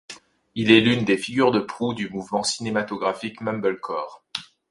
Il est l'une des figures de proue du mouvement cinématographique mumblecore.